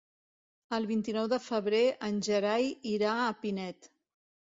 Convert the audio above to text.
El vint-i-nou de febrer en Gerai irà a Pinet.